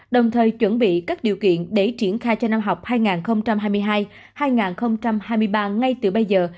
đồng thời chuẩn bị các điều kiện để triển khai cho năm học hai nghìn hai mươi hai hai nghìn hai mươi ba ngay từ bây giờ